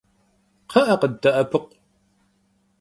Kxhı'e, khıdde'epıkhu!